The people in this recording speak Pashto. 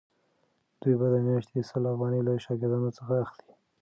دوی به د میاشتې سل افغانۍ له شاګردانو څخه اخلي.